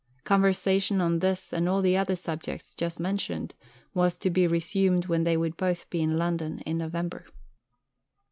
Conversation on this and all the other subjects just mentioned was to be resumed when they would both be in London in November.